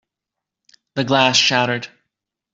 The glass shattered.